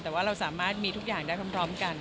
แต่ว่าเราสามารถมีทุกอย่างได้พร้อมกัน